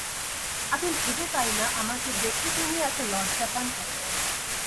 আমি ভেবে পাই না আমাকে দেখে উনি এত লজ্জা পান কেন।